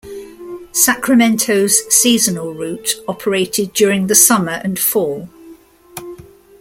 Sacramento's seasonal route operated during the summer and fall.